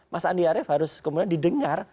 mas andi arief harus kemudian didengar